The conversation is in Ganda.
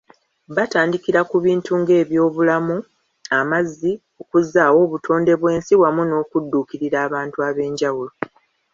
Batandikira ku bintu ng’ebyobulamu, amazzi, okuzzaawo obutonde bw’ensi wamu n’okudduukirira abantu ab’enjawulo.